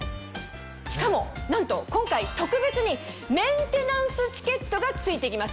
しかもなんと今回特別にメンテナンスチケットが付いてきます。